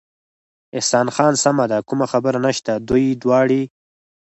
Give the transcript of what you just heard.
احسان خان: سمه ده، کومه خبره نشته، دوی دواړې.